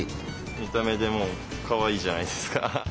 見た目でもうかわいいじゃないですか。